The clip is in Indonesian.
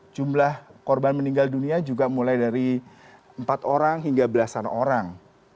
jumlah korban meninggal dunia juga mulai dari empat orang hingga belasan orang